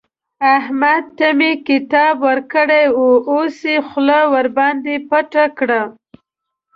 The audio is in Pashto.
احمد ته مې کتاب ورکړی وو؛ اوس يې خوله ورباندې پټه کړه.